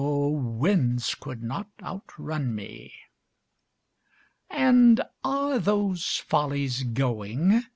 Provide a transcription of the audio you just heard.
winds could not outrun me. And are those follies going?